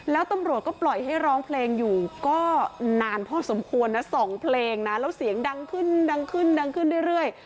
แล้วตำรวจก็ปล่อยให้ร้องเพลงอยู่ก็นานพอสมควรนะ๒เพลงนะแล้วเสียงดังขึ้นดังขึ้นดังขึ้นเรื่อย